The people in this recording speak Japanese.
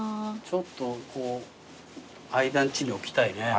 ちょっとこう相田んちに置きたいね。